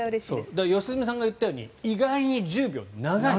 良純さんが言ったように意外に１０秒長い。